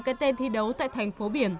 tám cái tên thi đấu tại thành phố biển